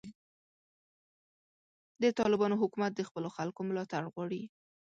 د طالبانو حکومت د خپلو خلکو ملاتړ غواړي.